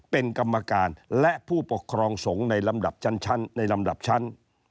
เป็นกรรมการและผู้ปกครองสงค์ในลำดับชั้น